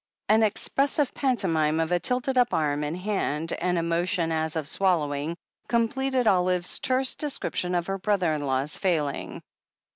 An expressive pantomime of tilted up arm and hand and a motion as of swallowing completed Olive's terse description of her brother in law's failing.